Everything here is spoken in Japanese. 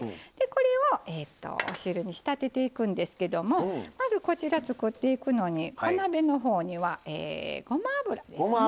これをお汁に仕立てていくんですけどもまずこちら作っていくのにお鍋のほうにはごま油ですね。